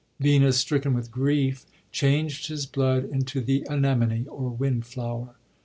Venus, stricken with grief, changed his blood into the anemone, or wind flower.